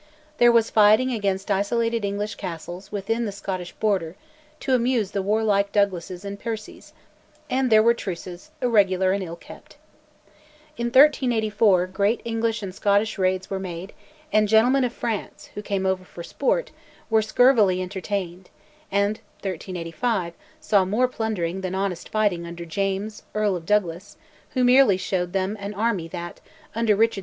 There was fighting against isolated English castles within the Scottish border, to amuse the warlike Douglases and Percies, and there were truces, irregular and ill kept. In 1384 great English and Scottish raids were made, and gentlemen of France, who came over for sport, were scurvily entertained, and (1385) saw more plundering than honest fighting under James, Earl of Douglas, who merely showed them an army that, under Richard II.